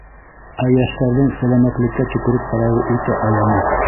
Ә йәштәрҙең сәләмәтлеккә төкөрөп ҡарауы үтә аяныс.